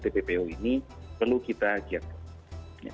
pppu ini perlu kita agi agi